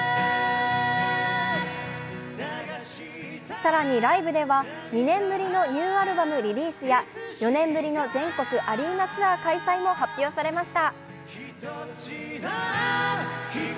更に、ライブでは２年ぶりのニューアルバムリリースや４年ぶりの全国アリーナツアー開催も発表されました。